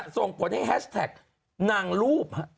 ส่งผลให้แฮชแท็กนางรูป